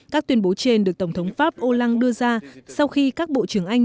các tuyên bố trên được tổng thống pháp oland đưa ra sau khi các bộ trưởng anh